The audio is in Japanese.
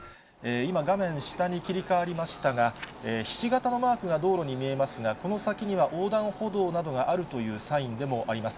今、画面下に切り替わりましたが、ひし形のマークが道路に見えますが、この先には横断歩道などがあるというサインでもあります。